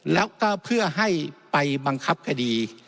แล้วก็เพื่อให้ไปบังคับคดี